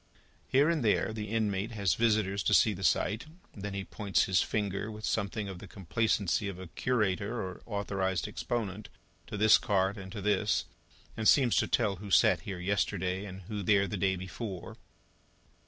Here and there, the inmate has visitors to see the sight; then he points his finger, with something of the complacency of a curator or authorised exponent, to this cart and to this, and seems to tell who sat here yesterday, and who there the day before.